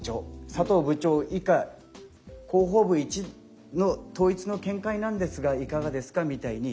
サトウ部長以下広報部の統一の見解なんですがいかがですかみたいに。